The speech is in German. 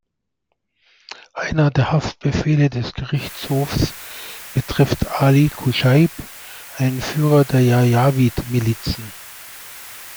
Einer der Haftbefehle des Gerichtshofs betrifft Ali Kushayb, einen Führer der Janjaweed-Milizen.